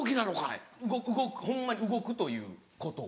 動くホンマに動くということを。